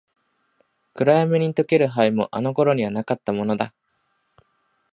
暗闇に溶ける灰も、あの頃にはなかったものだ。